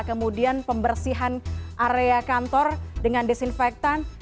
kemudian pembersihan area kantor dengan desinfektan